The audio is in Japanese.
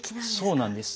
そうなんです。